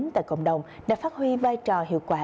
tại cộng đồng đã phát huy vai trò hiệu quả